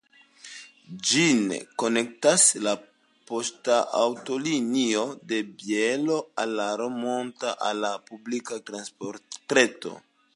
Ĝin konektas la poŝtaŭtolinio de Bielo al Romont al la publika transportreto.